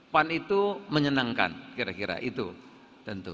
pan itu menyenangkan kira kira itu tentu